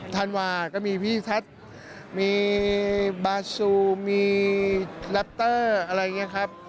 ธันวาก็มีพี่แท็กมีบาซูมีแรปเตอร์อะไรอย่างนี้ครับ